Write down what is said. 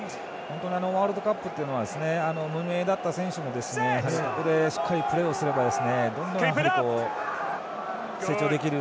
ワールドカップというのは無名だった選手もここでしっかりプレーすればどんどん成長できる。